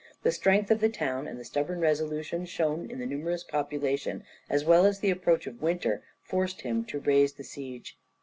The strength of the town and the stubborn resolution shown by the numerous population as well as the approach of winter forced him to raise the siege.